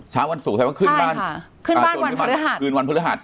เช้าวันสู่แสดงว่าขึ้นบ้านใช่ค่ะขึ้นบ้านวันพฤหัสคืนวันพฤหัส